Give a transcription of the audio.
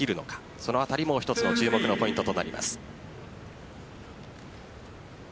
そのあたりも一つの注目のポイントとなります。